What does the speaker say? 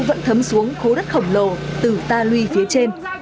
vẫn thấm xuống khố đất khổng lồ từ ta lui phía trên